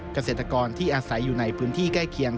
เกษตรกรที่อาศัยอยู่ในพื้นที่ใกล้เคียง